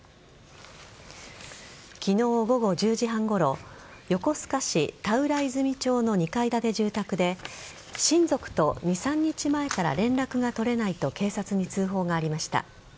昨日午後１０時半ごろ横須賀市田浦泉町の２階建て住宅で親族と２３日前から連絡が取れないと警察に通報がありました。